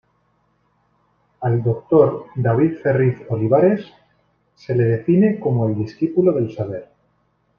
Al Dr. David Ferriz Olivares se le define como el discípulo del Saber.